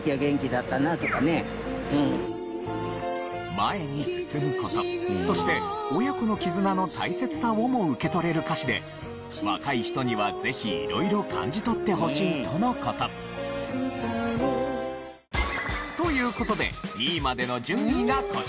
前に進む事そして親子の絆の大切さをも受け取れる歌詞で若い人にはぜひ色々感じ取ってほしいとの事。という事で２位までの順位がこちら。